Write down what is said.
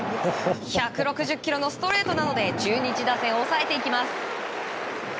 １６０キロのストレートなどで中日打線を抑えていきます。